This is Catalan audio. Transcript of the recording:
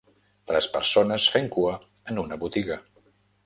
Tres persones fent cua en una botiga